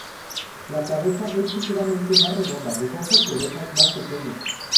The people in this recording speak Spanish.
La cabeza es ligeramente más redonda, los ojos y orejas más pequeños.